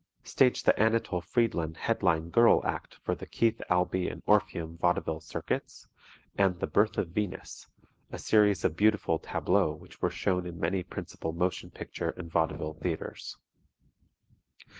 Staged the Anatol Friedland headline girl act for the Keith Albee and Orpheum vaudeville circuits, and "The Birth of Venus," a series of beautiful tableaux which were shown in many principal motion picture and vaudeville theatres.